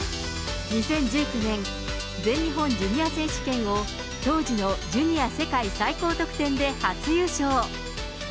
２０１９年、全日本ジュニア選手権を当時のジュニア世界最高得点で初優勝。